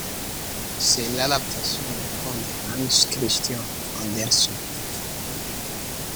C'est l'adaptation d'un conte de Hans Christian Andersen.